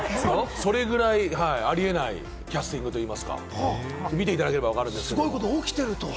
それぐらいありえないキャスティングと言いますか、見ていただければわかります。